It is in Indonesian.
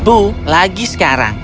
bu lagi sekarang